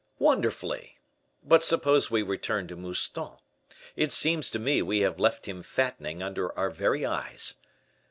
"Wonderfully but suppose we return to Mouston. It seems to me, we have left him fattening under our very eyes."